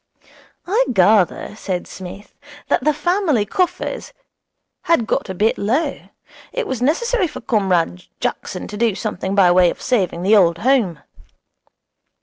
'I gather,' said Psmith, 'that the family coffers had got a bit low. It was necessary for Comrade Jackson to do something by way of saving the Old Home.'